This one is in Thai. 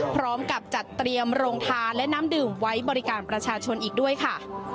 พร้อมกับจัดเตรียมโรงทานและน้ำดื่มไว้บริการประชาชนอีกด้วยค่ะ